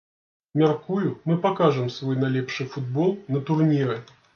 Мяркую, мы пакажам свой найлепшы футбол на турніры.